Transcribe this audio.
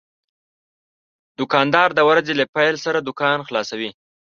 دوکاندار د ورځې له پېل سره دوکان خلاصوي.